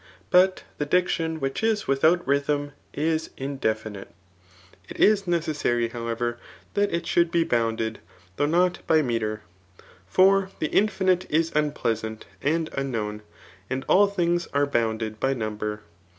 } But the diction which is without rythm is indeifinite. It is Mccssary, however, that it should be bounded, though not ^y metre. For the infinite is unpleasant and unknown; «id all things are bounded by number.